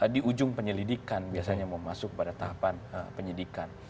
di ujung penyelidikan biasanya mau masuk pada tahapan penyidikan